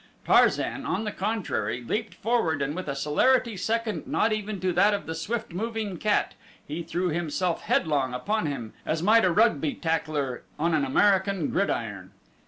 Tarzan, on the contrary, leaped forward and with a celerity second not even to that of the swift moving cat, he threw himself headlong upon him as might a Rugby tackler on an American gridiron.